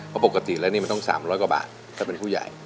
เพราะปกติแล้วนี่มันต้อง๓๐๐กว่าบาทถ้าเป็นผู้ใหญ่